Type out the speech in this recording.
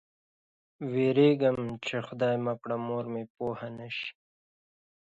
وېرېدم چې خدای مه کړه مور مې پوه نه شي.